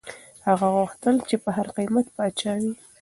هغه غوښتل چي په هر قیمت پاچا وي.